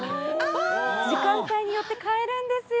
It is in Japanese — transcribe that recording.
時間帯によって、変えるんですよ。